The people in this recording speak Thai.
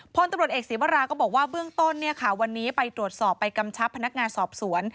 พลตำรวจเอกศีวราก็บอกว่าเบื้องต้นวันนี้ไปตรวจสอบไปกำชับพนักงานสอบสวน